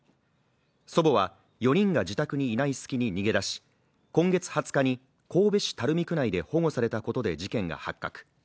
祖母は、４人が自宅にいない隙に逃げ出し、今月２０日に神戸市垂水区内で保護されたことで事件が発覚。